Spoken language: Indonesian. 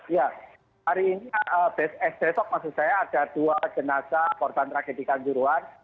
ya hari ini besok maksud saya ada dua jenazah korban tragedi kanjuruhan